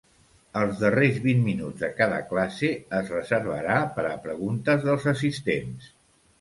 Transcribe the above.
Els darrers vint minuts de cada classe es reservarà per a preguntes dels assistents.